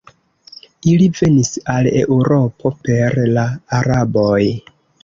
Ili venis al Eŭropo per la Araboj.